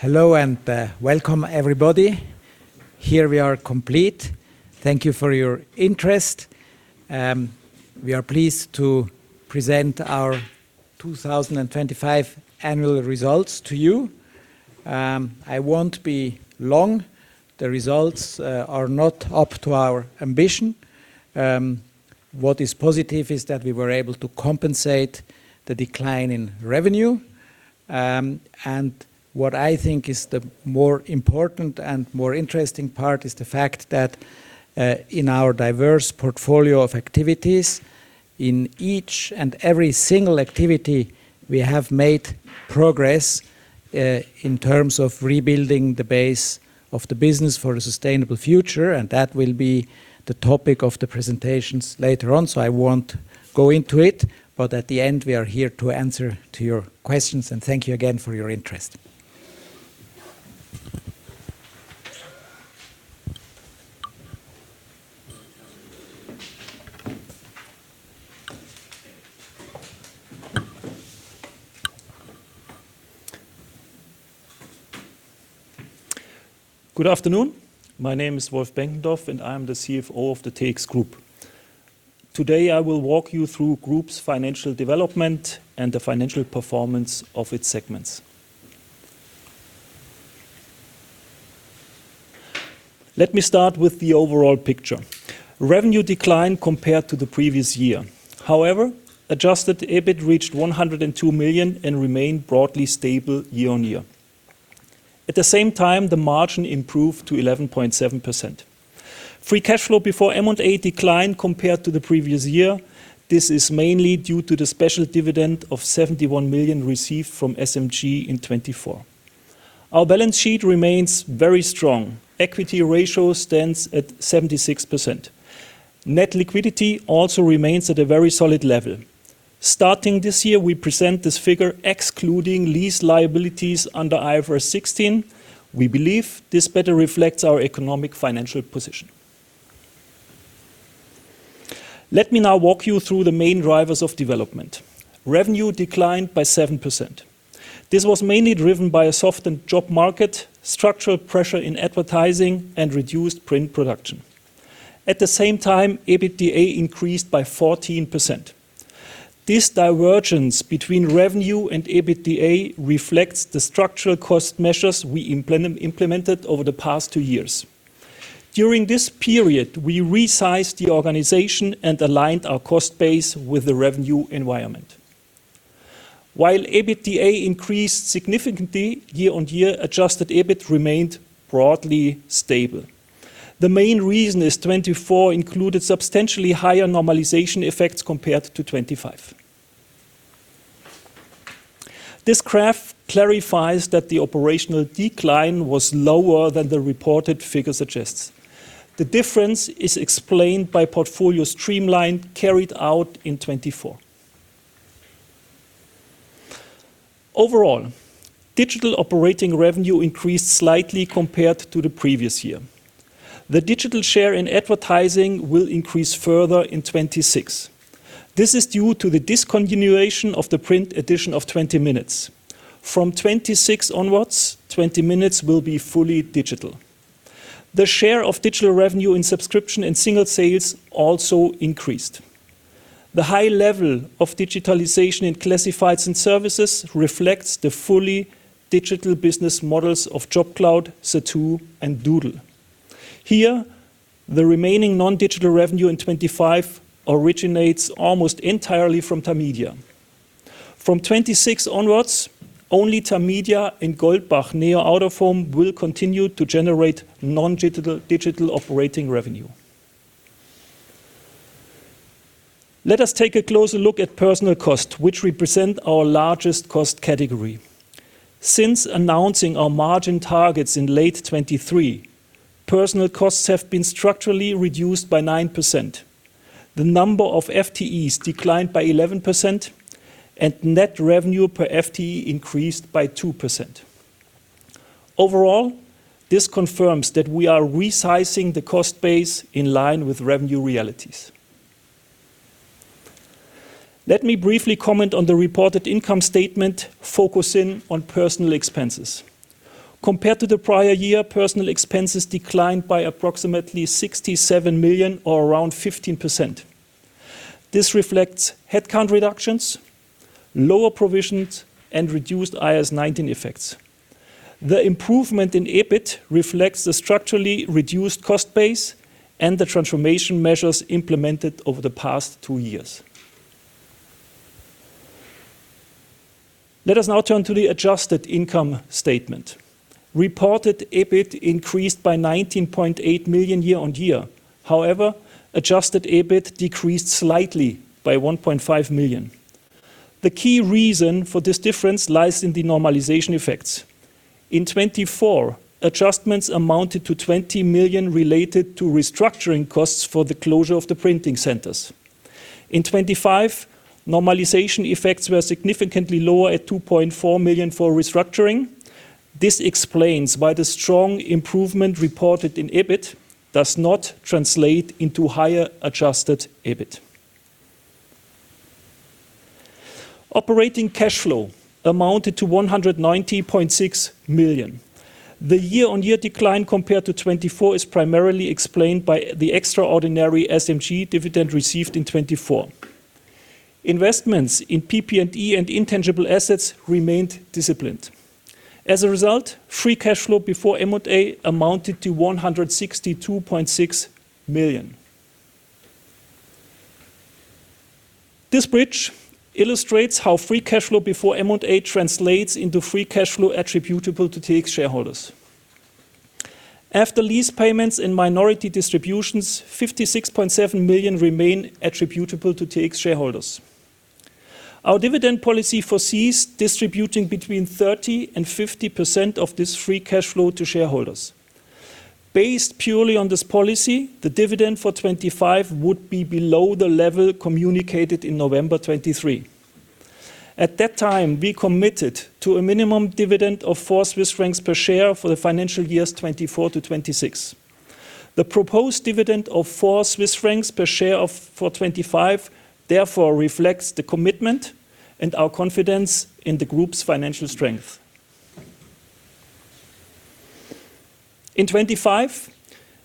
Hello and welcome everybody. Here we are complete. Thank you for your interest. We are pleased to present our 2025 annual results to you. I won't be long. The results are not up to our ambition. What is positive is that we were able to compensate the decline in revenue. What I think is the more important and more interesting part is the fact that in our diverse portfolio of activities, in each and every single activity, we have made progress in terms of rebuilding the base of the business for a sustainable future and that will be the topic of the presentations later on, so I won't go into it. At the end, we are here to answer to your questions and thank you again for your interest. Good afternoon. My name is Wolf Benkendorff and I am the CFO of the TX Group. Today, I will walk you through the group's financial development and the financial performance of its segments. Let me start with the overall picture. Revenue declined compared to the previous year. However, adjusted EBIT reached 102 million and remained broadly stable year-on-year. At the same time, the margin improved to 11.7%. Free cash flow before M&A declined compared to the previous year. This is mainly due to the special dividend of 71 million received from SMG in 2024. Our balance sheet remains very strong. Equity ratio stands at 76%. Net liquidity also remains at a very solid level. Starting this year, we present this figure excluding lease liabilities under IFRS 16. We believe this better reflects our economic financial position. Let me now walk you through the main drivers of development. Revenue declined by 7%. This was mainly driven by a softened job market, structural pressure in advertising and reduced print production. At the same time, EBITDA increased by 14%. This divergence between revenue and EBITDA reflects the structural cost measures we implemented over the past two years. During this period, we resized the organization and aligned our cost base with the revenue environment. While EBITDA increased significantly year-on-year, adjusted EBIT remained broadly stable. The main reason is 2024 included substantially higher normalization effects compared to 2025. This graph clarifies that the operational decline was lower than the reported figure suggests. The difference is explained by portfolio streamlining carried out in 2024. Overall, digital operating revenue increased slightly compared to the previous year. The digital share in advertising will increase further in 2026. This is due to the discontinuation of the print edition of 20 Minuten. From 2026 onwards, 20 Minuten will be fully digital. The share of digital revenue in subscription and single sales also increased. The high level of digitalization in classifieds and services reflects the fully digital business models of JobCloud, SMG and Doodle. Here, the remaining non-digital revenue in 2025 originates almost entirely from Tamedia. From 2026 onwards, only Tamedia and Goldbach Neo out-of-home will continue to generate non-digital operating revenue. Let us take a closer look at personnel costs, which represent our largest cost category. Since announcing our margin targets in late 2023, personnel costs have been structurally reduced by 9%. The number of FTEs declined by 11% and net revenue per FTE increased by 2%. Overall, this confirms that we are resizing the cost base in line with revenue realities. Let me briefly comment on the reported income statement, focusing on personnel expenses. Compared to the prior year, personnel expenses declined by approximately 67 million or around 15%. This reflects headcount reductions, lower provisions and reduced IAS 19 effects. The improvement in EBIT reflects the structurally reduced cost base and the transformation measures implemented over the past two years. Let us now turn to the adjusted income statement. Reported EBIT increased by 19.8 million year on year. However, adjusted EBIT decreased slightly by 1.5 million. The key reason for this difference lies in the normalization effects. In 2024, adjustments amounted to 20 million related to restructuring costs for the closure of the printing centers. In 2025, normalization effects were significantly lower at 2.4 million for restructuring. This explains why the strong improvement reported in EBIT does not translate into higher adjusted EBIT. Operating cash flow amounted to 190.6 million. The year-on-year decline compared to 2024 is primarily explained by the extraordinary SMG dividend received in 2024. Investments in PP&E and intangible assets remained disciplined. As a result, free cash flow before M&A amounted to 162.6 million. This bridge illustrates how free cash flow before M&A translates into free cash flow attributable to TX shareholders. After lease payments and minority distributions, 56.7 million remain attributable to TX shareholders. Our dividend policy foresees distributing between 30% and 50% of this free cash flow to shareholders. Based purely on this policy, the dividend for 2025 would be below the level communicated in November 2023. At that time, we committed to a minimum dividend of 4 Swiss francs per share for the financial years 2024 to 2026. The proposed dividend of 4 Swiss francs per share for 2025 therefore reflects the commitment and our confidence in the group's financial strength. In 2025,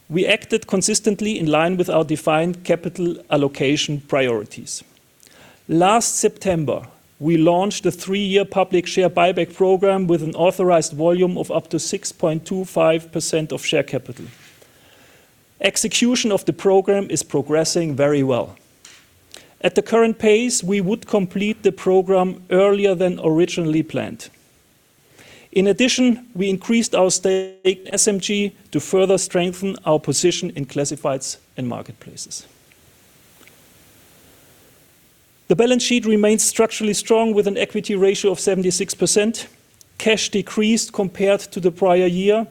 we acted consistently in line with our defined capital allocation priorities. Last September, we launched a three-year public share buyback program with an authorized volume of up to 6.25% of share capital. Execution of the program is progressing very well. At the current pace, we would complete the program earlier than originally planned. In addition, we increased our stake in SMG to further strengthen our position in classifieds and marketplaces. The balance sheet remains structurally strong with an equity ratio of 76%. Cash decreased compared to the prior year.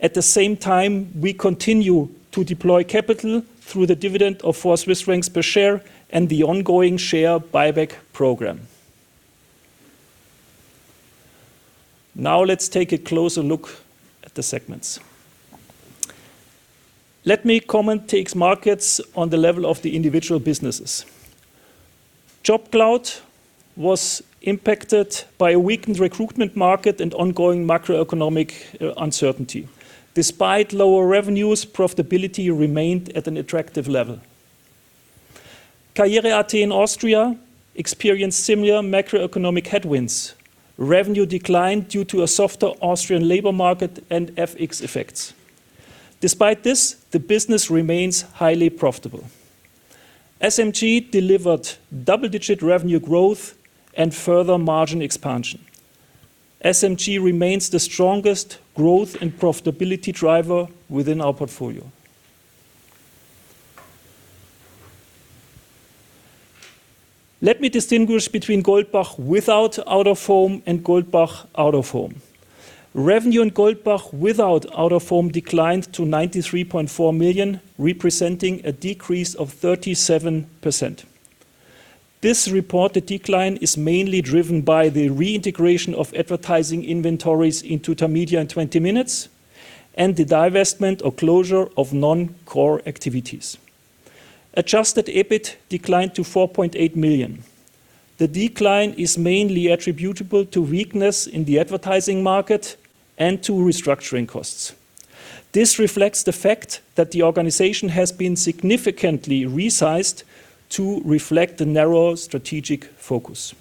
At the same time, we continue to deploy capital through the dividend of 4 Swiss francs per share and the ongoing share buyback program. Now let's take a closer look at the segments. Let me comment TX Markets on the level of the individual businesses. JobCloud was impacted by a weakened recruitment market and ongoing macroeconomic uncertainty. Despite lower revenues, profitability remained at an attractive level. karriere.at in Austria experienced similar macroeconomic headwinds. Revenue declined due to a softer Austrian labor market and FX effects. Despite this, the business remains highly profitable. SMG delivered double-digit revenue growth and further margin expansion. SMG remains the strongest growth and profitability driver within our portfolio. Let me distinguish between Goldbach without out-of-home and Goldbach out-of-home. Revenue in Goldbach without out-of-home declined to 93.4 million, representing a decrease of 37%. This reported decline is mainly driven by the reintegration of advertising inventories in Tamedia and 20 Minuten and the divestment or closure of non-core activities. Adjusted EBIT declined to 4.8 million. The decline is mainly attributable to weakness in the advertising market and to restructuring costs. This reflects the fact that the organization has been significantly resized to reflect the narrow strategic focus.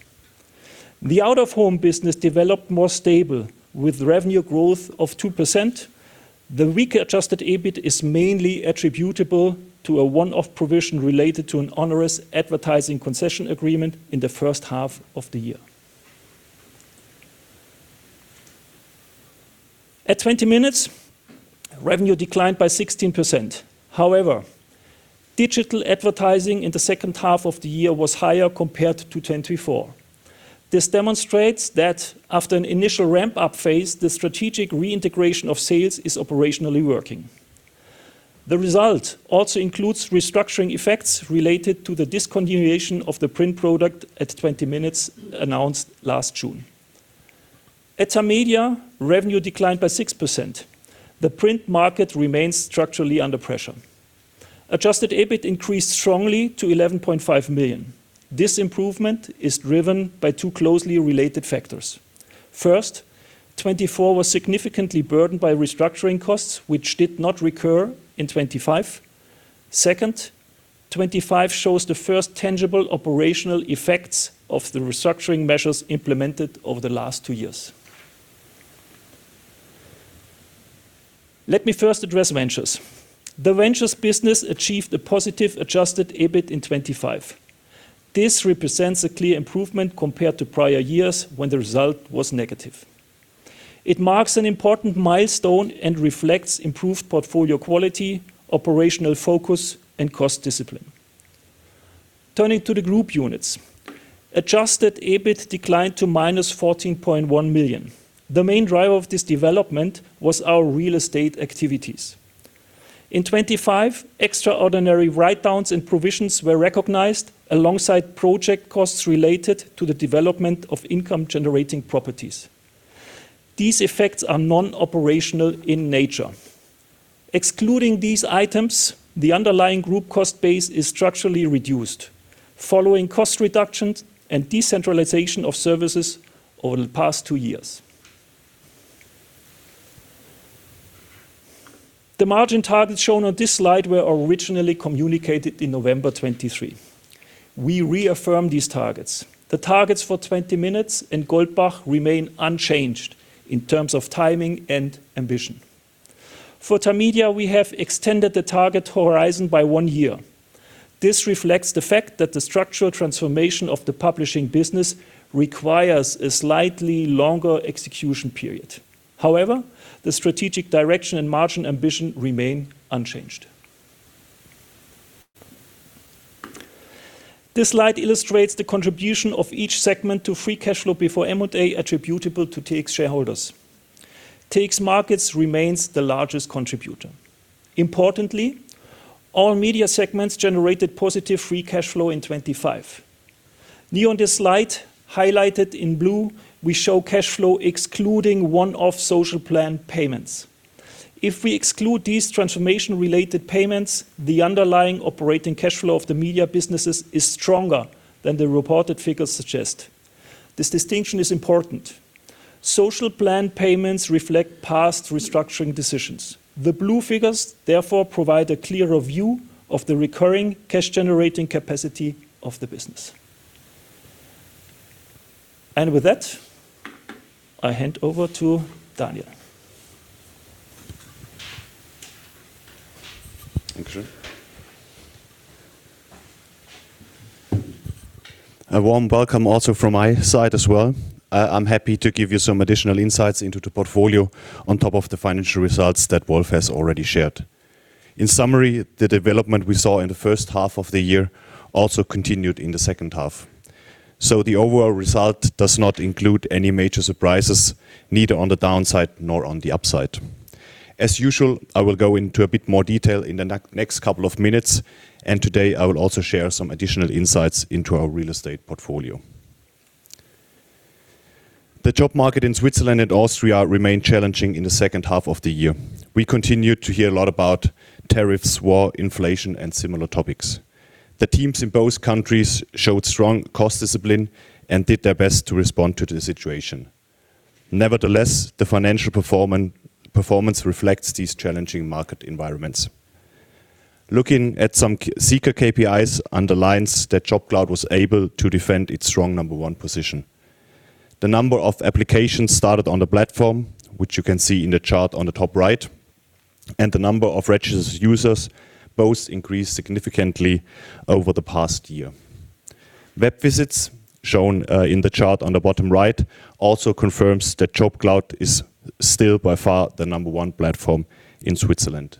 The out-of-home business developed more stable with revenue growth of 2%. The weaker adjusted EBIT is mainly attributable to a one-off provision related to an onerous advertising concession agreement in the first half of the year. At 20 Minuten, revenue declined by 16%. However, digital advertising in the second half of the year was higher compared to 2024. This demonstrates that after an initial ramp-up phase, the strategic reintegration of sales is operationally working. The result also includes restructuring effects related to the discontinuation of the print product at 20 Minuten announced last June. At Tamedia, revenue declined by 6%. The print market remains structurally under pressure. Adjusted EBIT increased strongly to 11.5 million. This improvement is driven by two closely related factors. First, 2024 was significantly burdened by restructuring costs, which did not recur in 2025. Second, 2025 shows the first tangible operational effects of the restructuring measures implemented over the last two years. Let me first address ventures. The ventures business achieved a positive adjusted EBIT in 2025. This represents a clear improvement compared to prior years when the result was negative. It marks an important milestone and reflects improved portfolio quality, operational focus and cost discipline. Turning to the group units. Adjusted EBIT declined to -14.1 million. The main driver of this development was our real estate activities. In 2025, extraordinary write-downs and provisions were recognized alongside project costs related to the development of income-generating properties. These effects are non-operational in nature. Excluding these items, the underlying group cost base is structurally reduced following cost reductions and decentralization of services over the past two years. The margin targets shown on this slide were originally communicated in November 2023. We reaffirm these targets. The targets for 20 Minuten and Goldbach remain unchanged in terms of timing and ambition. For Tamedia, we have extended the target horizon by one year. This reflects the fact that the structural transformation of the publishing business requires a slightly longer execution period. However, the strategic direction and margin ambition remain unchanged. This slide illustrates the contribution of each segment to free cash flow before M&A attributable to TX shareholders. TX Markets remains the largest contributor. Importantly, all media segments generated positive free cash flow in 2025. New on this slide, highlighted in blue, we show cash flow excluding one-off social plan payments. If we exclude these transformation-related payments, the underlying operating cash flow of the media businesses is stronger than the reported figures suggest. This distinction is important. Social plan payments reflect past restructuring decisions. The blue figures, therefore, provide a clearer view of the recurring cash-generating capacity of the business. With that, I hand over to Daniel. Thank you. A warm welcome also from my side as well. I'm happy to give you some additional insights into the portfolio on top of the financial results that Wolf has already shared. In summary, the development we saw in the first half of the year also continued in the second half. The overall result does not include any major surprises, neither on the downside nor on the upside. As usual, I will go into a bit more detail in the next couple of minutes and today, I will also share some additional insights into our real estate portfolio. The job market in Switzerland and Austria remained challenging in the second half of the year. We continued to hear a lot about tariffs, war, inflation and similar topics. The teams in both countries showed strong cost discipline and did their best to respond to the situation. Nevertheless, the financial performance reflects these challenging market environments. Looking at some key job seeker KPIs underlines that JobCloud was able to defend its strong number one position. The number of applications started on the platform, which you can see in the chart on the top right and the number of registered users both increased significantly over the past year. Web visits, shown in the chart on the bottom right, also confirms that JobCloud is still by far the number one platform in Switzerland.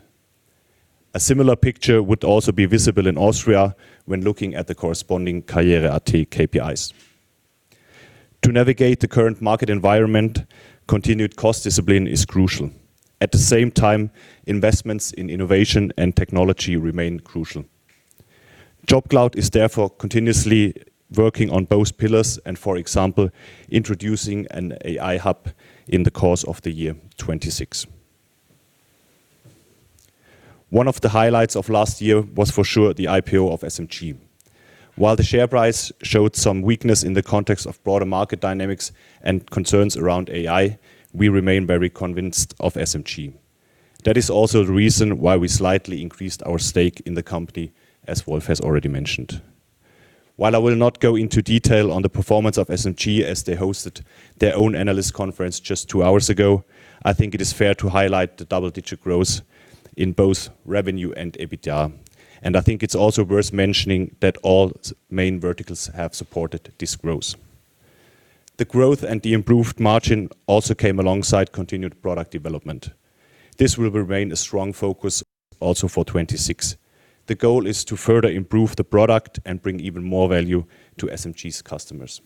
A similar picture would also be visible in Austria when looking at the corresponding karriere.at KPIs. To navigate the current market environment, continued cost discipline is crucial. At the same time, investments in innovation and technology remain crucial. JobCloud is therefore continuously working on both pillars and, for example, introducing an AI hub in the course of the year 2026. One of the highlights of last year was for sure the IPO of SMG. While the share price showed some weakness in the context of broader market dynamics and concerns around AI, we remain very convinced of SMG. That is also the reason why we slightly increased our stake in the company, as Wolf has already mentioned. While I will not go into detail on the performance of SMG as they hosted their own analyst conference just two hours ago, I think it is fair to highlight the double-digit growth in both revenue and EBITDA. I think it's also worth mentioning that all main verticals have supported this growth. The growth and the improved margin also came alongside continued product development. This will remain a strong focus also for 2026. The goal is to further improve the product and bring even more value to SMG's customers.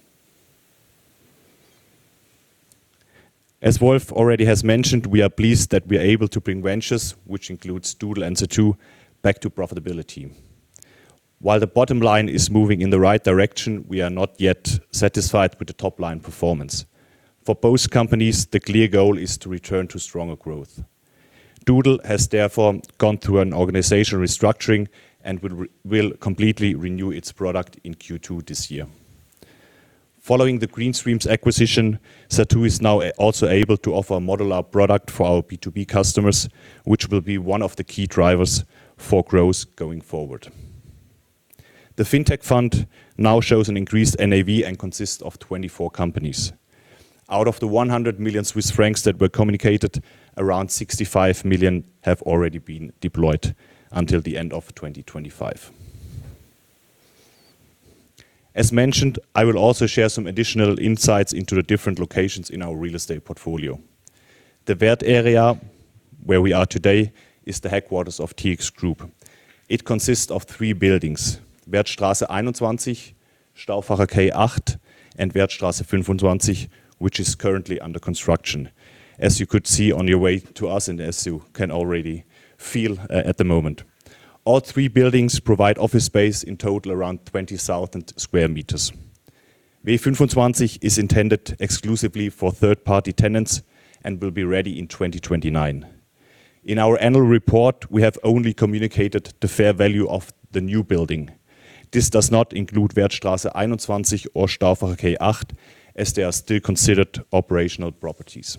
As Wolf already has mentioned, we are pleased that we are able to bring ventures, which includes Doodle and Zattoo, back to profitability. While the bottom line is moving in the right direction, we are not yet satisfied with the top-line performance. For both companies, the clear goal is to return to stronger growth. Doodle has therefore gone through an organizational restructuring and will completely renew its product in Q2 this year. Following the Green Streams acquisition, Zattoo is now also able to offer a modular product for our B2B customers, which will be one of the key drivers for growth going forward. The Fintech Fund now shows an increased NAV and consists of 24 companies. Out of the 100 million Swiss francs that were communicated, around 65 million have already been deployed until the end of 2025. As mentioned, I will also share some additional insights into the different locations in our real estate portfolio. The Werd Area, where we are today, is the headquarters of TX Group. It consists of three buildings, Werdstrasse 21, Stauffacherquai 8 and Werdstrasse 25, which is currently under construction, as you could see on your way to us and as you can already feel at the moment. All three buildings provide office space in total around 20,000 square meters. Werdstrasse 25 is intended exclusively for third party tenants and will be ready in 2029. In our annual report, we have only communicated the fair value of the new building. This does not include Werdstrasse 21 or Stauffacherquai 8 as they are still considered operational properties.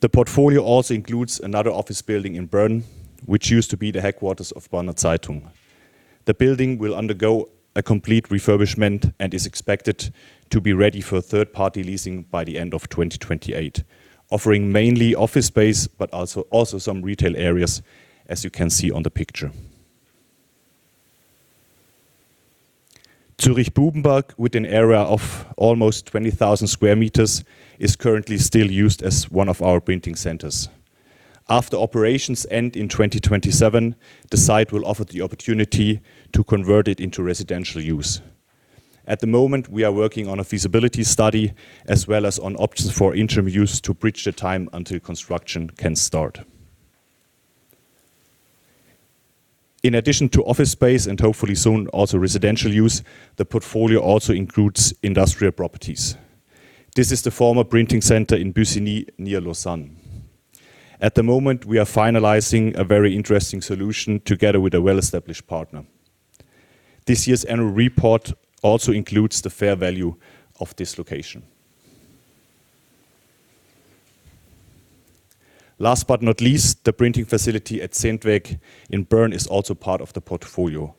The portfolio also includes another office building in Bern, which used to be the headquarters of Berner Zeitung. The building will undergo a complete refurbishment and is expected to be ready for third party leasing by the end of 2028, offering mainly office space but also some retail areas, as you can see on the picture. Bubenbergstrasse in Zürich, with an area of almost 20,000 square meters, is currently still used as one of our printing centers. After operations end in 2027, the site will offer the opportunity to convert it into residential use. At the moment, we are working on a feasibility study as well as on options for interim use to bridge the time until construction can start. In addition to office space and hopefully soon also residential use, the portfolio also includes industrial properties. This is the former printing center in Bussigny near Lausanne. At the moment, we are finalizing a very interesting solution together with a well-established partner. This year's annual report also includes the fair value of this location. Last but not least, the printing facility at Zentweg in Bern is also part of the portfolio.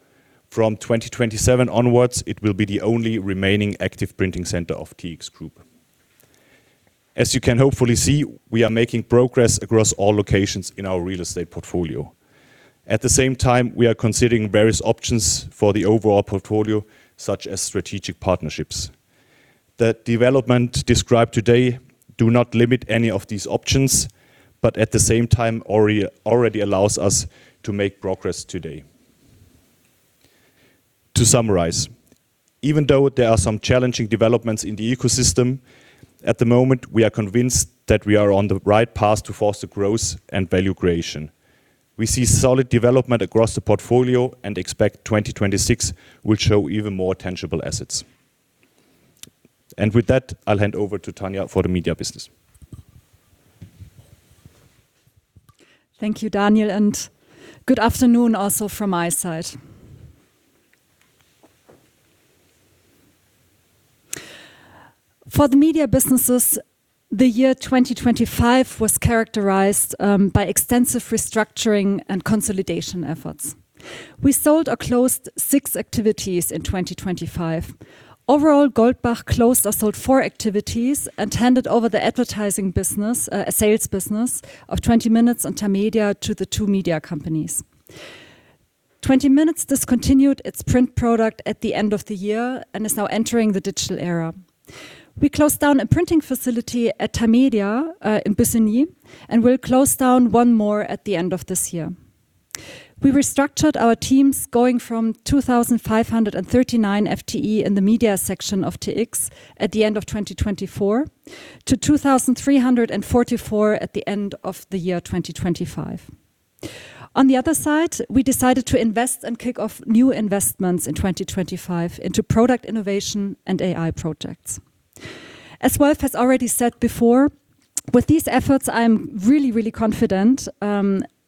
From 2027 onwards, it will be the only remaining active printing center of TX Group. As you can hopefully see, we are making progress across all locations in our real estate portfolio. At the same time, we are considering various options for the overall portfolio, such as strategic partnerships. The development described today do not limit any of these options but at the same time, already allows us to make progress today. To summarize, even though there are some challenging developments in the ecosystem, at the moment we are convinced that we are on the right path to foster growth and value creation. We see solid development across the portfolio and expect 2026 will show even more tangible assets. With that, I'll hand over to Tanja for the media business. Thank you, Daniel and good afternoon also from my side. For the media businesses, the year 2025 was characterized by extensive restructuring and consolidation efforts. We sold or closed six activities in 2025. Overall, Goldbach closed or sold four activities and handed over the advertising business, sales business of 20 Minuten and Tamedia to the two media companies. 20 Minuten discontinued its print product at the end of the year and is now entering the digital era. We closed down a printing facility at Tamedia, in Bussigny and will close down one more at the end of this year. We restructured our teams, going from 2,539 FTE in the media section of TX at the end of 2024 to 2,344 at the end of the year 2025. On the other side, we decided to invest and kick off new investments in 2025 into product innovation and AI projects. As Wolf has already said before, with these efforts, I'm really, really confident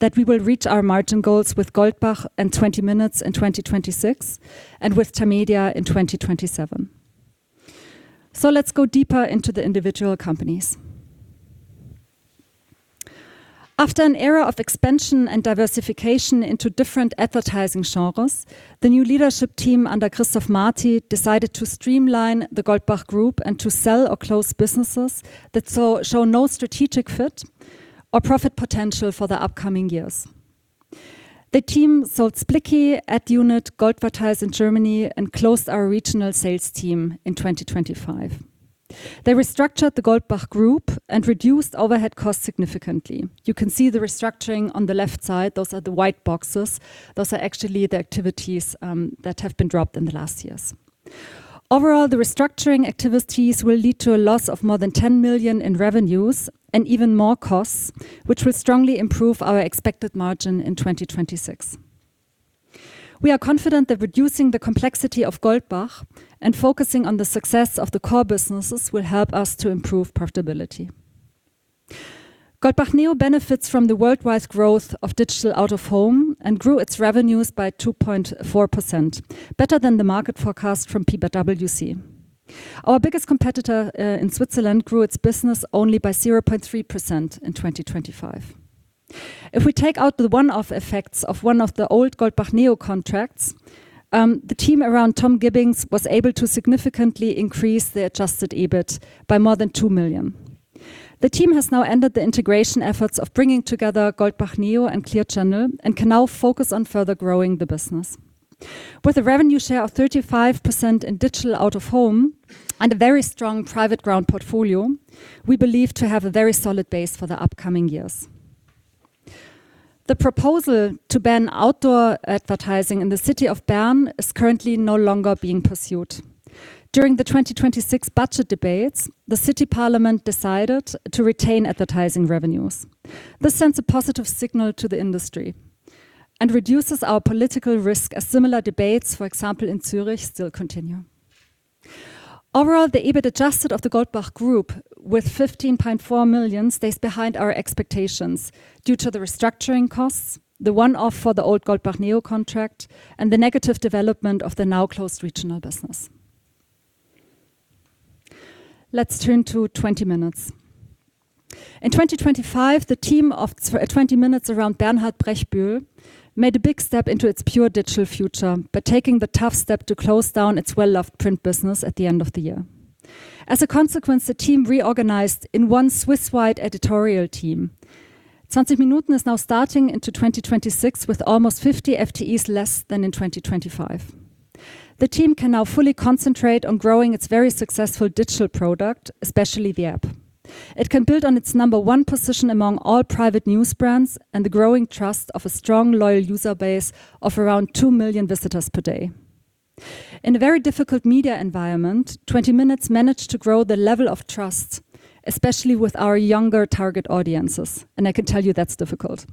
that we will reach our margin goals with Goldbach and 20 Minuten in 2026 and with Tamedia in 2027. Let's go deeper into the individual companies. After an era of expansion and diversification into different advertising genres, the new leadership team under Christoph Marty decided to streamline the Goldbach Group and to sell or close businesses that show no strategic fit or profit potential for the upcoming years. The team sold Splicky, Adunit, Goldvertise in Germany and closed our regional sales team in 2025. They restructured the Goldbach Group and reduced overhead costs significantly. You can see the restructuring on the left side. Those are the white boxes. Those are actually the activities that have been dropped in the last years. Overall, the restructuring activities will lead to a loss of more than 10 million in revenues and even more costs, which will strongly improve our expected margin in 2026. We are confident that reducing the complexity of Goldbach and focusing on the success of the core businesses will help us to improve profitability. Goldbach Neo benefits from the worldwide growth of digital out of home and grew its revenues by 2.4%, better than the market forecast from PwC. Our biggest competitor in Switzerland grew its business only by 0.3% in 2025. If we take out the one-off effects of one of the old Goldbach Neo contracts, the team around Tom Gibbings was able to significantly increase the adjusted EBIT by more than 2 million. The team has now ended the integration efforts of bringing together Goldbach Neo and Clear Channel and can now focus on further growing the business. With a revenue share of 35% in digital out of home and a very strong private ground portfolio, we believe to have a very solid base for the upcoming years. The proposal to ban outdoor advertising in the city of Bern is currently no longer being pursued. During the 2026 budget debates, the city parliament decided to retain advertising revenues. This sends a positive signal to the industry. Reduces our political risk as similar debates, for example, in Zurich still continue. Overall, the EBIT adjusted of the Goldbach Group with 15.4 million stays behind our expectations due to the restructuring costs, the one-off for the old Goldbach Neo contract and the negative development of the now closed regional business. Let's turn to "20 Minuten." In 2025, the team of "20 Minuten" around Bernhard Brechbühl made a big step into its pure digital future by taking the tough step to close down its well-loved print business at the end of the year. As a consequence, the team reorganized in one Swiss-wide editorial team. "20 Minuten" is now starting into 2026 with almost 50 FTEs less than in 2025. The team can now fully concentrate on growing its very successful digital product, especially the app. It can build on its number one position among all private news brands and the growing trust of a strong, loyal user base of around 2 million visitors per day. In a very difficult media environment, "20 Minuten" managed to grow the level of trust, especially with our younger target audiences and I can tell you that's difficult.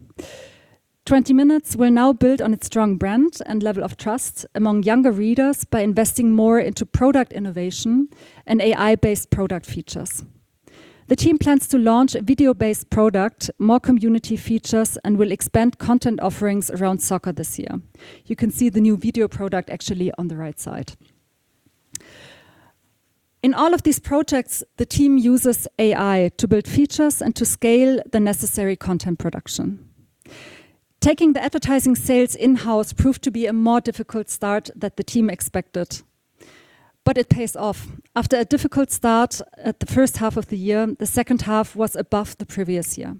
20 Minuten" will now build on its strong brand and level of trust among younger readers by investing more into product innovation and AI-based product features. The team plans to launch a video-based product, more community features and will expand content offerings around soccer this year. You can see the new video product actually on the right side. In all of these projects, the team uses AI to build features and to scale the necessary content production. Taking the advertising sales in-house proved to be a more difficult start than the team expected but it pays off. After a difficult start at the first half of the year, the second half was above the previous year.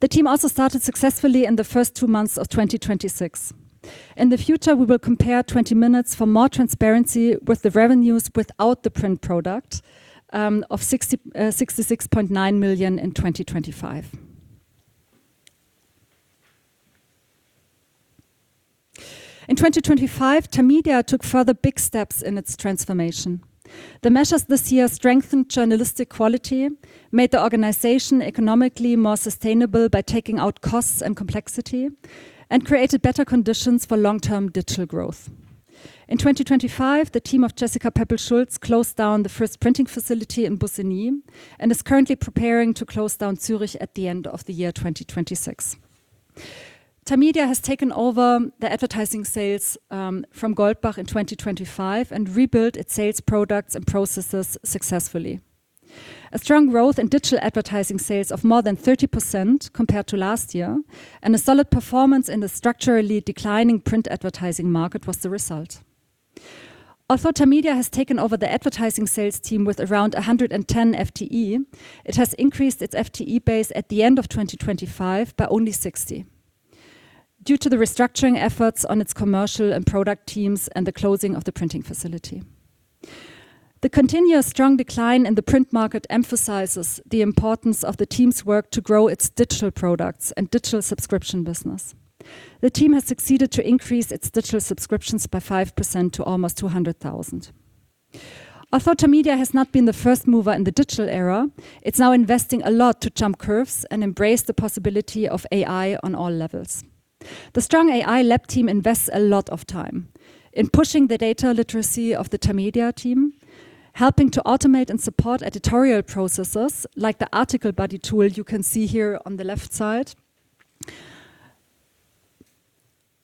The team also started successfully in the first two months of 2026. In the future, we will compare "20 Minuten" for more transparency with the revenues without the print product of 66.9 million in 2025. In 2025, Tamedia took further big steps in its transformation. The measures this year strengthened journalistic quality, made the organization economically more sustainable by taking out costs and complexity and created better conditions for long-term digital growth. In 2025, the team of Jessica Peppel-Schulz closed down the first printing facility in Bussigny and is currently preparing to close down Zurich at the end of the year 2026. Tamedia has taken over the advertising sales from Goldbach in 2025 and rebuilt its sales products and processes successfully. A strong growth in digital advertising sales of more than 30% compared to last year and a solid performance in the structurally declining print advertising market was the result. Although Tamedia has taken over the advertising sales team with around 110 FTE, it has increased its FTE base at the end of 2025 by only 60 due to the restructuring efforts on its commercial and product teams and the closing of the printing facility. The continuous strong decline in the print market emphasizes the importance of the team's work to grow its digital products and digital subscription business. The team has succeeded to increase its digital subscriptions by 5% to almost 200,000. Although Tamedia has not been the first mover in the digital era, it's now investing a lot to jump curves and embrace the possibility of AI on all levels. The strong AI lab team invests a lot of time in pushing the data literacy of the Tamedia team, helping to automate and support editorial processes like the article buddy tool you can see here on the left side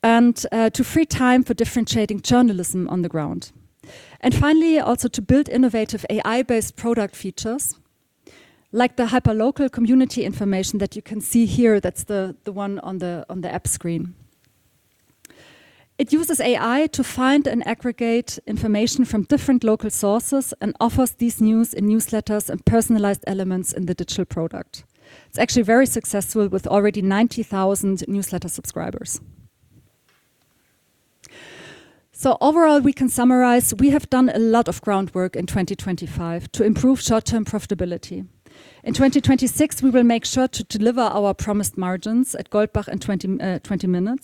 and to free time for differentiating journalism on the ground. Finally, also to build innovative AI-based product features like the hyperlocal community information that you can see here. That's the one on the app screen. It uses AI to find and aggregate information from different local sources and offers this news in newsletters and personalized elements in the digital product. It's actually very successful with already 90,000 newsletter subscribers. Overall, we can summarize, we have done a lot of groundwork in 2025 to improve short-term profitability. In 2026, we will make sure to deliver our promised margins at Goldbach and 20 Minuten,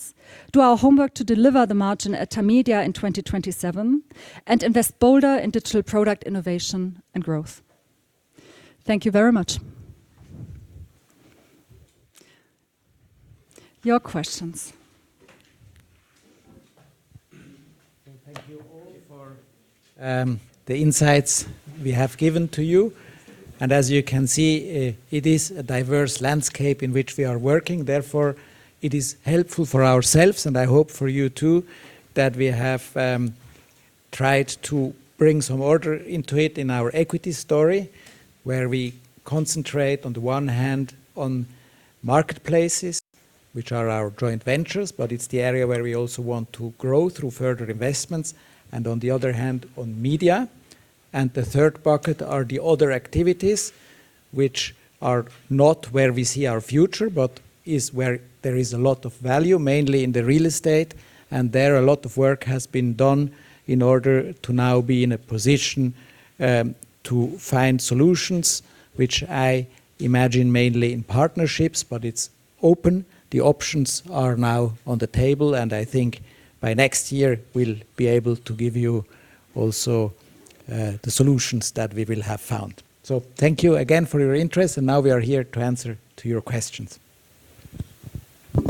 do our homework to deliver the margin at Tamedia in 2027 and invest bolder in digital product innovation and growth. Thank you very much. Your questions. Thank you all for the insights we have given to you. As you can see, it is a diverse landscape in which we are working. Therefore, it is helpful for ourselves and I hope for you too, that we have tried to bring some order into it in our equity story, where we concentrate on the one hand on marketplaces, which are our joint ventures but it's the area where we also want to grow through further investments and on the other hand on media. The third bucket are the other activities which are not where we see our future but is where there is a lot of value, mainly in the real estate. There, a lot of work has been done in order to now be in a position to find solutions which I imagine mainly in partnerships but it's open. The options are now on the table and I think by next year we'll be able to give you also the solutions that we will have found. Thank you again for your interest and now we are here to answer to your questions. You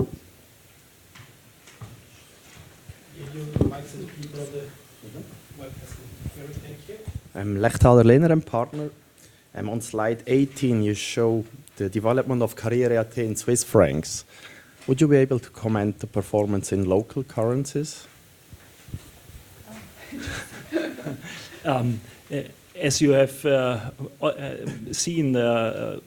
have the mics and people on the webcast. Thank you. I'm Lechthaler, Lehner & Partner. On slide 18, you show the development of karriere.at in Swiss francs. Would you be able to comment on the performance in local currencies? As you have seen, the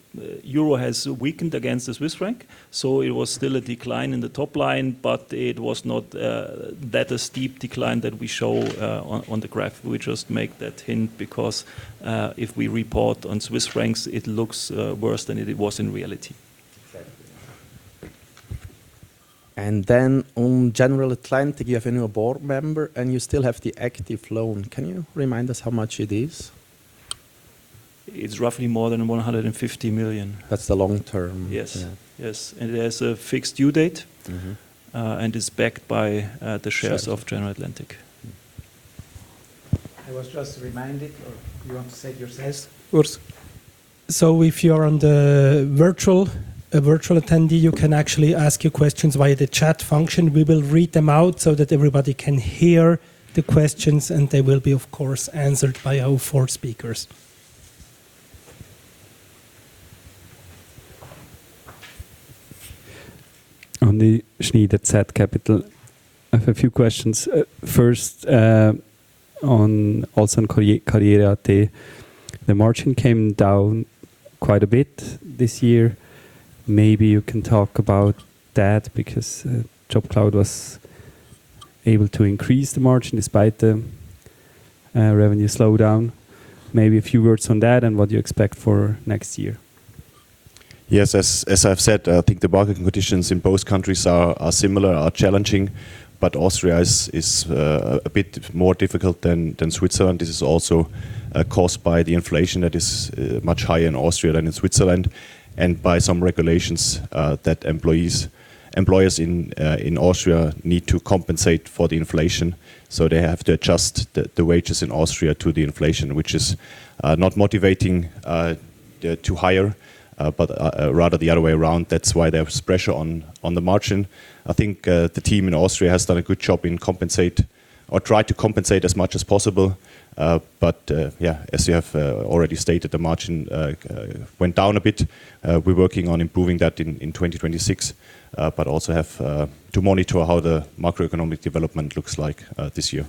euro has weakened against the Swiss franc, so it was still a decline in the top line but it was not that a steep decline that we show on the graph. We just make that hint because if we report on Swiss francs, it looks worse than it was in reality. Exactly. On General Atlantic, you have a new board member and you still have the active loan. Can you remind us how much it is? It's roughly more than 150 million. That's the long term? Yes. Yes, it has a fixed due date is backed by the shares of General Atlantic. I was just reminded or you want to say it yourselves? Urs. If you're on the virtual, a virtual attendee, you can actually ask your questions via the chat function. We will read them out so that everybody can hear the questions and they will be, of course, answered by our four speakers. Michael Schneider, Zürcher Kantonalbank. I have a few questions. First, on also karriere.at, the margin came down quite a bit this year. Maybe you can talk about that because JobCloud was able to increase the margin despite the revenue slowdown. Maybe a few words on that and what you expect for next year. Yes. As I've said, I think the market conditions in both countries are similar and challenging but Austria is a bit more difficult than Switzerland. This is also caused by the inflation that is much higher in Austria than in Switzerland and by some regulations that employers in Austria need to compensate for the inflation, so they have to adjust the wages in Austria to the inflation, which is not motivating to hire but rather the other way around. That's why there was pressure on the margin. I think the team in Austria has done a good job in compensating or trying to compensate as much as possible. Yeah, as you have already stated, the margin went down a bit. We're working on improving that in 2026 but also have to monitor how the macroeconomic development looks like this year.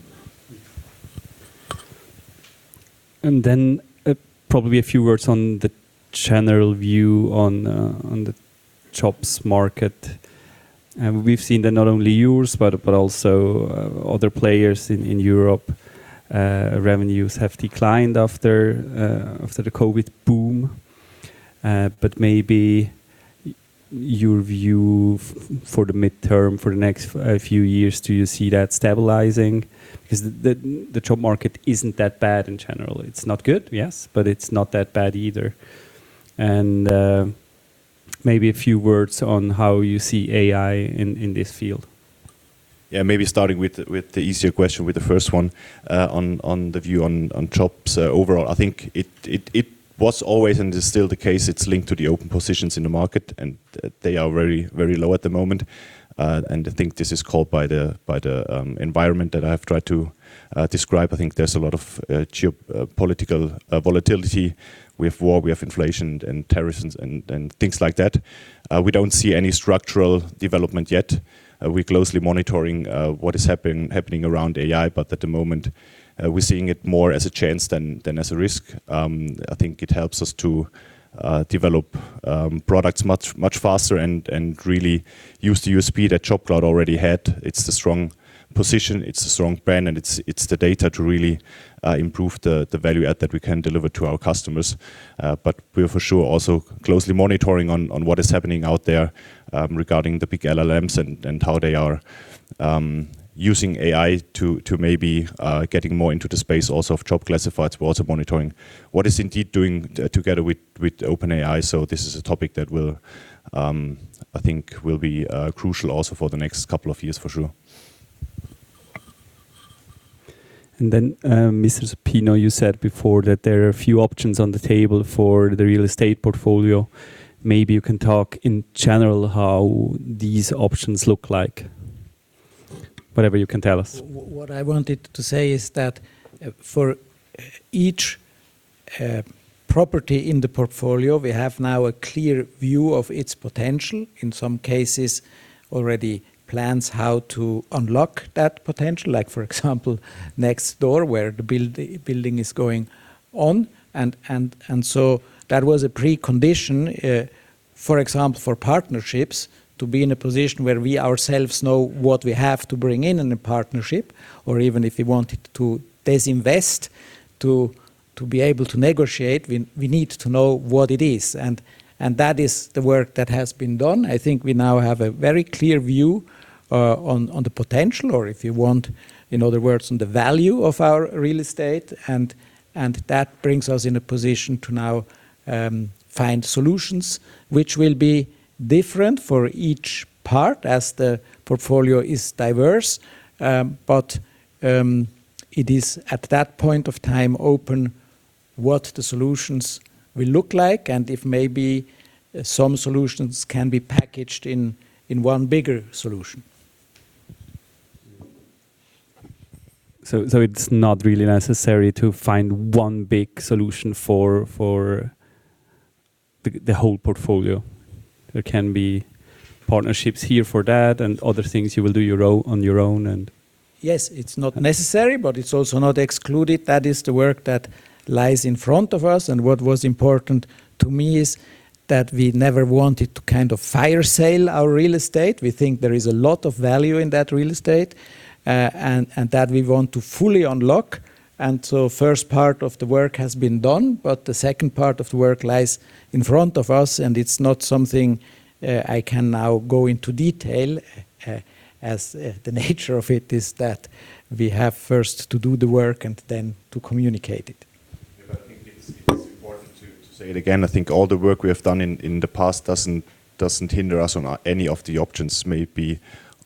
Probably a few words on the general view on the jobs market. We've seen that not only yours but also other players in Europe revenues have declined after the COVID boom. But maybe your view for the medium term, for the next few years. Do you see that stabilizing? Because the job market isn't that bad in general. It's not good, yes but it's not that bad either. Maybe a few words on how you see AI in this field. Yeah. Maybe starting with the easier question, with the first one, on the view on jobs. Overall, I think it was always and it's still the case, it's linked to the open positions in the market and they are very low at the moment. And I think this is caused by the environment that I've tried to describe. I think there's a lot of geopolitical volatility. We have war, we have inflation and terrorism and things like that. We don't see any structural development yet. We're closely monitoring what is happening around AI but at the moment, we're seeing it more as a chance than as a risk. I think it helps us to develop products much faster and really use the USP that JobCloud already had. It's the strong position, it's the strong brand and it's the data to really improve the value add that we can deliver to our customers. But we are for sure also closely monitoring on what is happening out there regarding the big LLMs and how they are using AI to maybe getting more into the space also of job classifieds. We're also monitoring what is Indeed doing together with OpenAI. This is a topic that will be crucial also for the next couple of years for sure. Mr. Supino, you said before that there are a few options on the table for the real estate portfolio. Maybe you can talk in general how these options look like. Whatever you can tell us. What I wanted to say is that, for each, property in the portfolio, we have now a clear view of its potential. In some cases, already plans how to unlock that potential. Like, for example, next door, where the building is going on. That was a precondition, for example, for partnerships to be in a position where we ourselves know what we have to bring in a partnership. Even if we wanted to disinvest, to be able to negotiate, we need to know what it is. That is the work that has been done. I think we now have a very clear view, on the potential or if you want, in other words, on the value of our real estate. That brings us in a position to now find solutions which will be different for each part as the portfolio is diverse. It is at that point of time open. What the solutions will look like and if maybe some solutions can be packaged in one bigger solution. It's not really necessary to find one big solution for the whole portfolio. There can be partnerships here for that and other things you will do on your own. Yes, it's not necessary but it's also not excluded. That is the work that lies in front of us. What was important to me is that we never wanted to kind of fire sale our real estate. We think there is a lot of value in that real estate and that we want to fully unlock. First part of the work has been done but the second part of the work lies in front of us and it's not something I can now go into detail, as the nature of it is that we have first to do the work and then to communicate it. Yeah. I think it's important to say it again. I think all the work we have done in the past doesn't hinder us on any of the options, maybe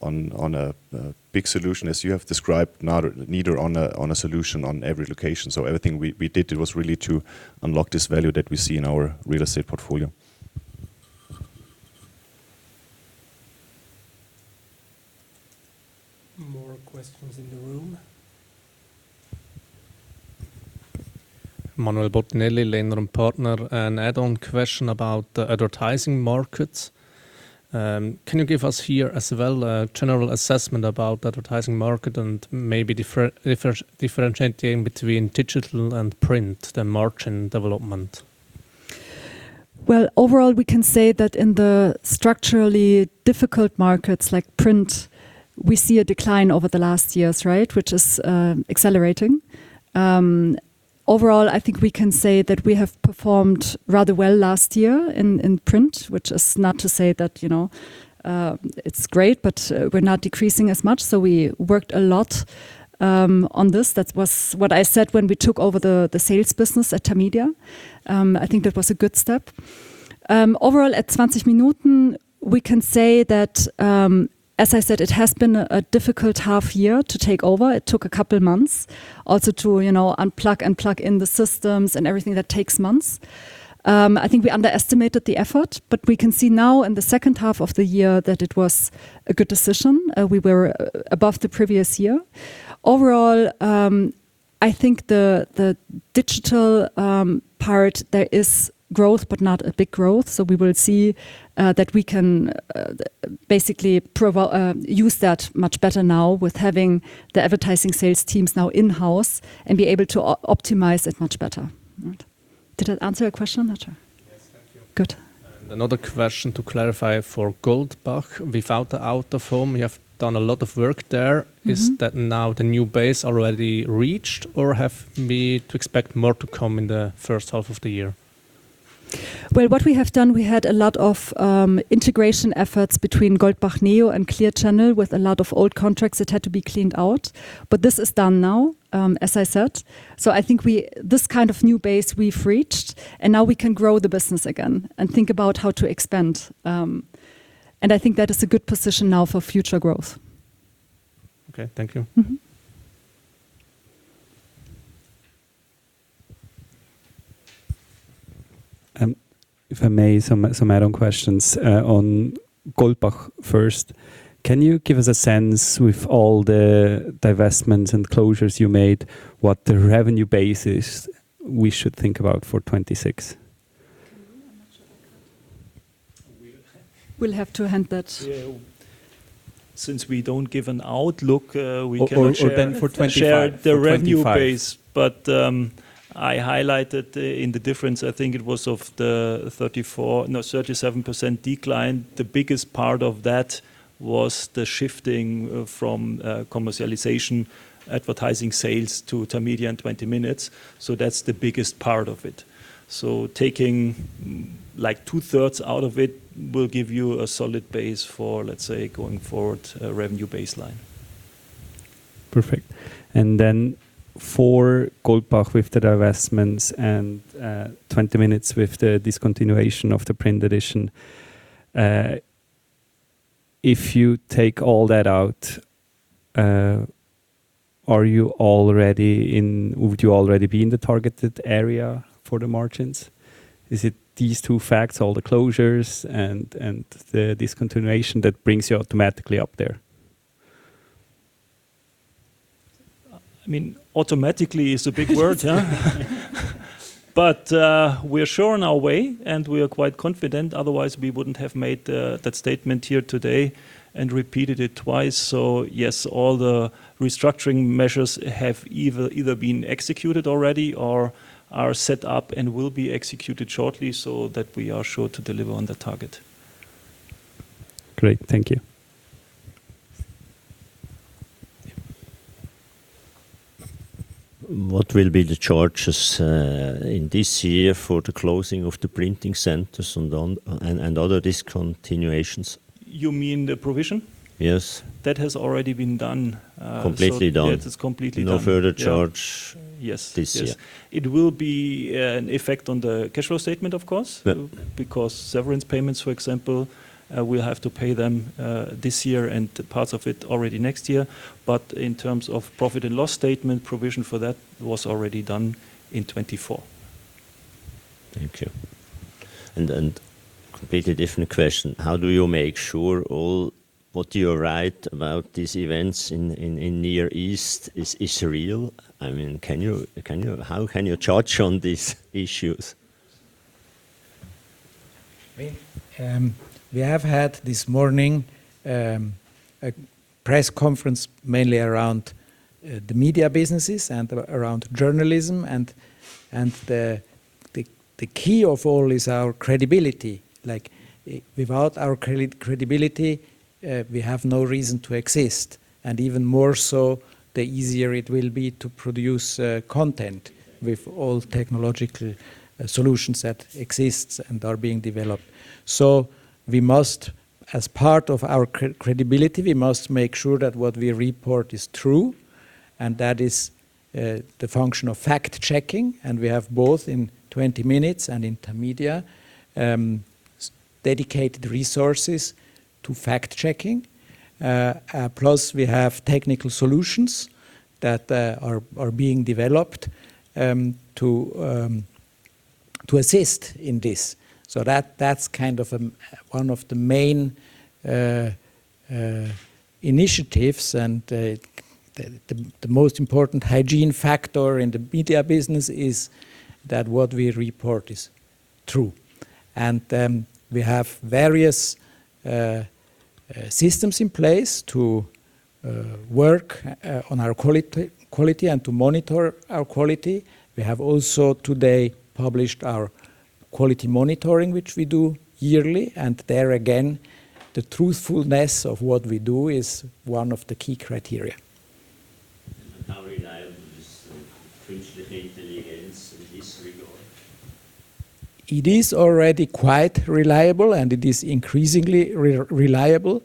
on a big solution as you have described, neither on a solution on every location. Everything we did was really to unlock this value that we see in our real estate portfolio. More questions in the room. Manuel Bottinelli, Lehner & Partner. An add-on question about the advertising markets. Can you give us here as well a general assessment about advertising market and maybe differentiating between digital and print, the margin development? Well, overall, we can say that in the structurally difficult markets like print, we see a decline over the last years, right? Which is accelerating. Overall, I think we can say that we have performed rather well last year in print, which is not to say that, you know, it's great but we're not decreasing as much. We worked a lot on this. That was what I said when we took over the sales business at Tamedia. I think that was a good step. Overall at 20 Minuten, we can say that, as I said, it has been a difficult half year to take over. It took a couple months also to, you know, unplug and plug in the systems and everything that takes months. I think we underestimated the effort but we can see now in the second half of the year that it was a good decision. We were above the previous year. Overall, I think the digital part there is growth but not a big growth. We will see that we can basically use that much better now with having the advertising sales teams now in-house and be able to optimize it much better. Right. Did I answer your question, Manuel? Yes. Thank you. Good. Another question to clarify for Goldbach. Without the out-of-home, you have done a lot of work there. Is that now the new base already reached or have we to expect more to come in the first half of the year? Well, what we have done, we had a lot of integration efforts between Goldbach Neo and Clear Channel with a lot of old contracts that had to be cleaned out. This is done now, as I said. I think this kind of new base we've reached and now we can grow the business again and think about how to expand. I think that is a good position now for future growth. Okay. Thank you. If I may, some add-on questions on Goldbach first. Can you give us a sense with all the divestments and closures you made, what the revenue base is we should think about for 2026? We'll have to hand that. Yeah. Since we don't give an outlook, we cannot share the revenue base. Or then for 2025? I highlighted the difference, I think it was of the 37% decline. The biggest part of that was the shifting from commercialization advertising sales to Tamedia and 20 Minuten. That's the biggest part of it. Taking like two-thirds out of it will give you a solid base for, let's say, going forward revenue baseline. Perfect. For Goldbach with the divestments and 20 Minuten with the discontinuation of the print edition, if you take all that out, would you already be in the targeted area for the margins? Is it these two facts, all the closures and the discontinuation that brings you automatically up there? I mean, automatically is a big word, huh? But we are sure on our way and we are quite confident, otherwise we wouldn't have made that statement here today and repeated it twice. Yes, all the restructuring measures have either been executed already or are set up and will be executed shortly so that we are sure to deliver on the target. Great. Thank you. Yeah. What will be the charges in this year for the closing of the printing centers and other discontinuations? You mean the provision? Yes. That has already been done. Completely done. Yes, it's completely done. No further charge this year. Yes. It will be an effect on the cash flow statement, of course because severance payments, for example, we'll have to pay them this year and parts of it already next year. In terms of profit and loss statement, provision for that was already done in 2024. Thank you. Completely different question. How do you make sure all what you write about these events in Middle East is real? I mean, how can you judge on these issues? We have had this morning a press conference mainly around the media businesses and around journalism and the key of all is our credibility. Like, without our credibility, we have no reason to exist and even more so, the easier it will be to produce content with all technological solutions that exist and are being developed. We must, as part of our credibility, make sure that what we report is true and that is the function of fact-checking and we have dedicated resources to fact-checking in both 20 Minuten and Tamedia. Plus we have technical solutions that are being developed to assist in this. That's kind of one of the main initiatives and the most important hygiene factor in the media business is that what we report is true. We have various systems in place to work on our quality and to monitor our quality. We have also today published our quality monitoring, which we do yearly and there again, the truthfulness of what we do is one of the key criteria. How reliable is Künstliche Intelligenz in this regard? It is already quite reliable and it is increasingly reliable.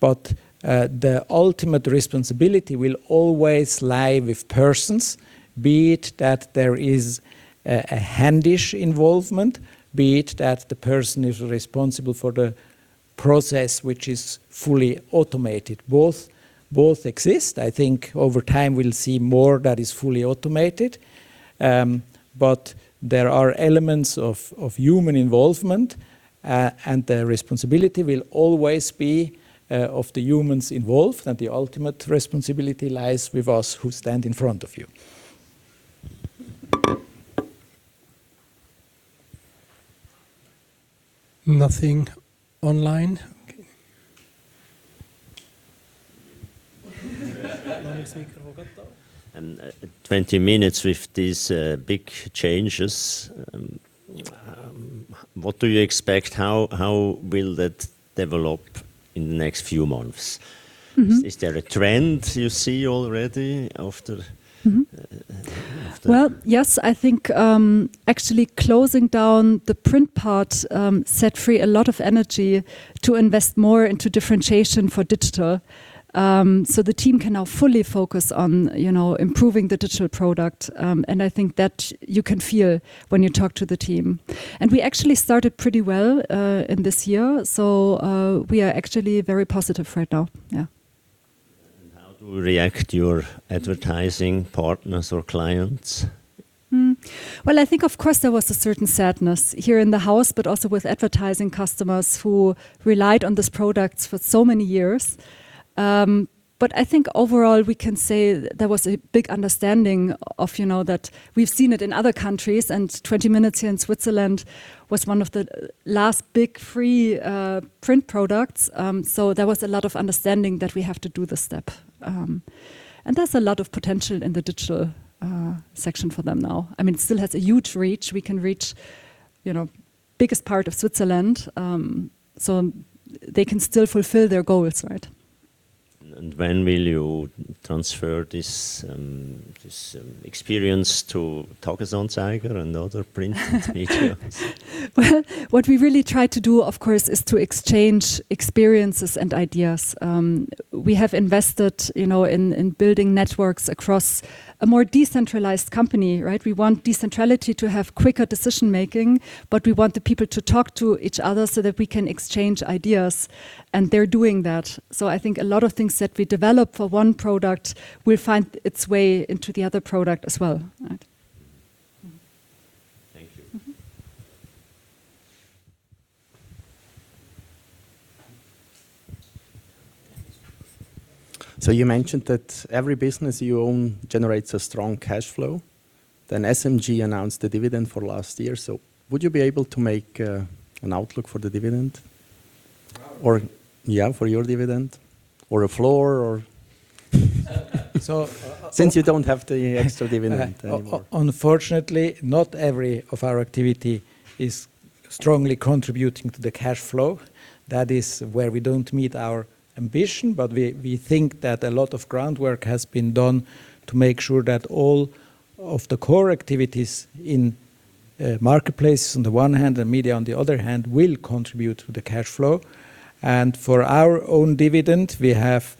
The ultimate responsibility will always lie with persons, be it that there is a hands-on involvement, be it that the person is responsible for the process which is fully automated. Both exist. I think over time we'll see more that is fully automated but there are elements of human involvement and the responsibility will always be of the humans involved and the ultimate responsibility lies with us who stand in front of you. Nothing online? 20 Minuten with these big changes, what do you expect? How will that develop in the next few months? Is there a trend you see already after? Well, yes. I think actually closing down the print part set free a lot of energy to invest more into differentiation for digital. The team can now fully focus on, you know, improving the digital product and I think that you can feel when you talk to the team. We actually started pretty well in this year. We are actually very positive right now. Yeah. How do your advertising partners or clients react? Well, I think of course there was a certain sadness here in the house but also with advertising customers who relied on this product for so many years. But I think overall we can say there was a big understanding of, you know, that we've seen it in other countries and 20 Minuten here in Switzerland was one of the last big free print products. So there was a lot of understanding that we have to do the step. And there's a lot of potential in the digital section for them now. I mean, it still has a huge reach. We can reach, you know, biggest part of Switzerland. So they can still fulfill their goals, right? When will you transfer this experience to Tages-Anzeiger and other print media? Well, what we really try to do, of course, is to exchange experiences and ideas. We have invested, you know, in building networks across a more decentralized company, right? We want de-centrality to have quicker decision-making but we want the people to talk to each other so that we can exchange ideas and they're doing that. So I think a lot of things that we develop for one product will find its way into the other product as well, right? Thank you. You mentioned that every business you own generates a strong cash flow. SMG announced the dividend for last year. Would you be able to make an outlook for the dividend? Yeah, for your dividend or a floor since you don't have the extra dividend anymore. Unfortunately, not every one of our activities is strongly contributing to the cash flow. That is where we don't meet our ambition. We think that a lot of groundwork has been done to make sure that all of the core activities in marketplaces on the one hand and media on the other hand will contribute to the cash flow. For our own dividend, we have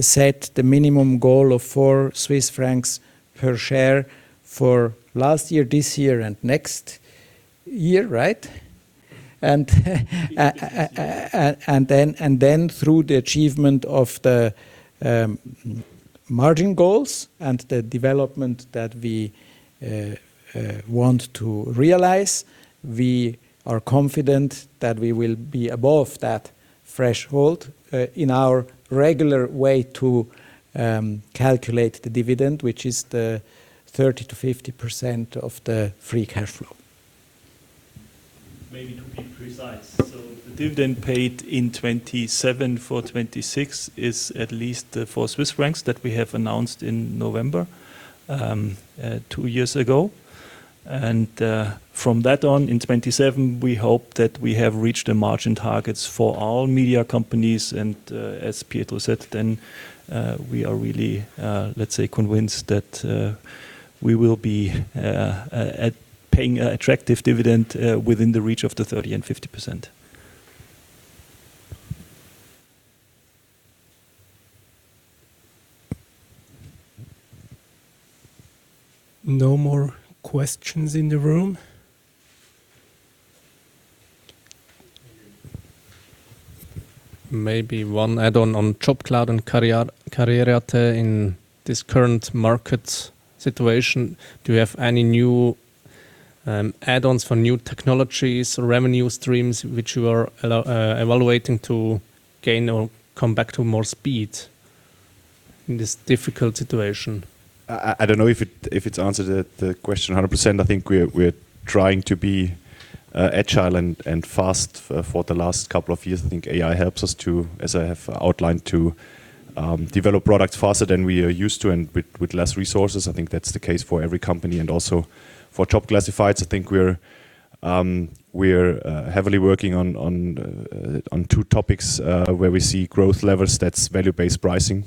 set the minimum goal of 4 Swiss francs per share for last year, this year and next year, right? Then through the achievement of the margin goals and the development that we want to realize, we are confident that we will be above that threshold in our regular way to calculate the dividend, which is the 30%-50% of the free cash flow. Maybe to be precise. The dividend paid in 2027 for 2026 is at least 4 Swiss francs that we have announced in November two years ago. From then on, in 2027, we hope that we have reached the margin targets for all media companies. As Pietro said then, we are really, let's say, convinced that we will be paying an attractive dividend, within the reach of the 30% and 50%. No more questions in the room? Maybe one add-on on JobCloud and karriere.at. In this current market situation, do you have any new add-ons for new technologies or revenue streams which you are evaluating to gain or come back to more speed in this difficult situation? I don't know if it's answered the question 100%. I think we're trying to be agile and fast for the last couple of years. I think AI helps us, as I have outlined, to develop products faster than we are used to and with less resources. I think that's the case for every company and also for JobCloud. I think we're heavily working on two topics where we see growth levels. That's value-based pricing,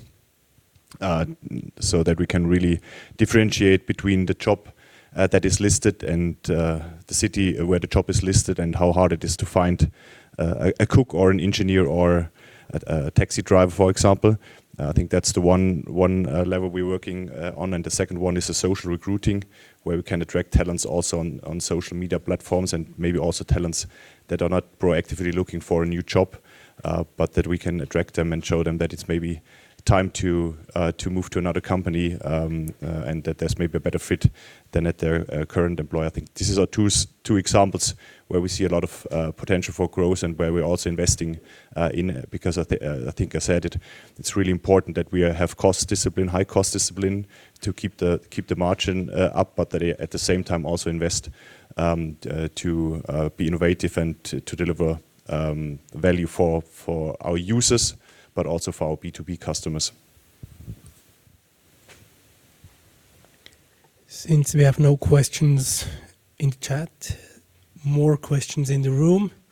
so that we can really differentiate between the job that is listed and the city where the job is listed and how hard it is to find a cook or an engineer or a taxi driver, for example. I think that's the one level we're working on. The second one is the social recruiting, where we can attract talents also on social media platforms and maybe also talents that are not proactively looking for a new job but that we can attract them and show them that it's maybe time to move to another company and that there's maybe a better fit than at their current employer. I think this is our two examples where we see a lot of potential for growth and where we're also investing in because I think I said it. It's really important that we have cost discipline, high cost discipline to keep the margin up but at the same time also invest to be innovative and to deliver value for our users but also for our B2B customers. Since we have no questions in chat, more questions in the room? Thank you very much for your interest.